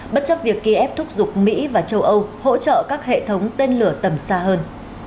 bất chấp việc kiev thúc giục mỹ và châu âu hỗ trợ các hệ thống tên lửa tầm xa hơn